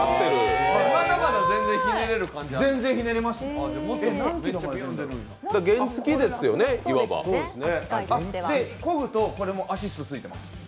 まだまだ全然ひねれます。